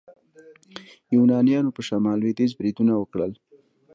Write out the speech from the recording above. یونانیانو په شمال لویدیځ بریدونه وکړل.